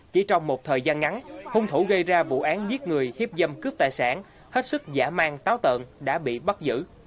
chỉ trong một thời gian ngắn hung thủ gây ra vụ án giết người hiếp dâm cướp tài sản hết sức giả mang táo tợn đã bị bắt giữ